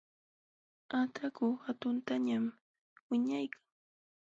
Ataku hatuntañam wiñaykan.